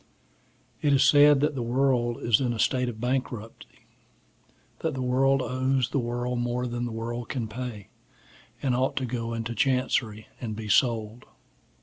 IT is said that the world is in a state of bankruptcy, that the world owes the world more than the world can pay, and ought to go into chancery, and be sold.